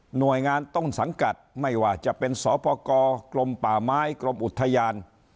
หน่วยงานต้นสังกัดไม่ว่าจะเป็นสปกรมป่าไม้กรมอุทยาน